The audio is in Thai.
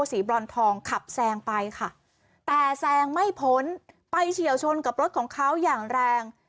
บรอนทองขับแซงไปค่ะแต่แซงไม่พ้นไปเฉียวชนกับรถของเขาอย่างแรง